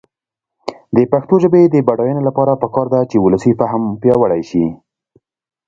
د پښتو ژبې د بډاینې لپاره پکار ده چې ولسي فهم پیاوړی شي.